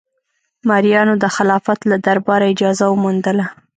مریانو د خلافت له دربار اجازه وموندله.